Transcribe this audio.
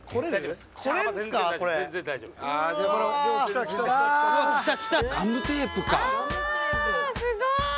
すごい！